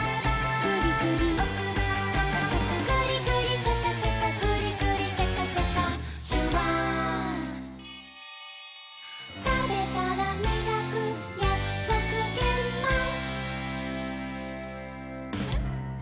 「グリグリシャカシャカグリグリシャカシャカ」「シュワー」「たべたらみがくやくそくげんまん」